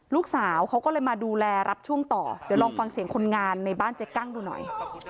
ลูกสาวเขาก็เลยมาดูแลรับช่วงต่อเดี๋ยวลองฟังเสียงคนงานในบ้านเจ๊กั้งดูหน่อย